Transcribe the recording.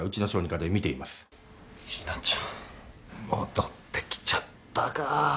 戻ってきちゃったか。